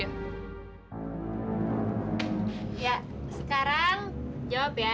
ya sekarang jawab ya